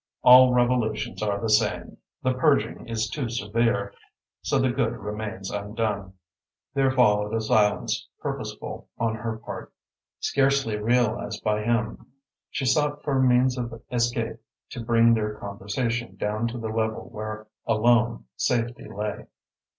All revolutions are the same. The purging is too severe, so the good remains undone." There followed a silence, purposeful on her port, scarcely realised by him. She sought for means of escape, to bring their conversation down to the level where alone safety lay.